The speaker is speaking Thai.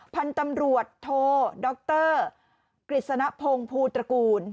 พันธุ์ตำรวจโทดรกฤษณพงศ์ภูตระกูล